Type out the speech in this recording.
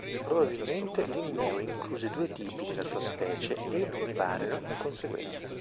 Probabilmente Linneo incluse due tipi nella sua specie e i nomi variano in conseguenza.